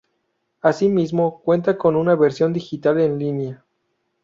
Asimismo cuenta con una versión digital en línea.